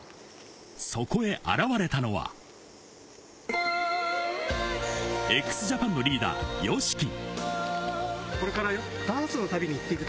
そこへ現れたのは、ＸＪＡＰＡＮのリーダー・ＹＯＳＨＩＫＩ。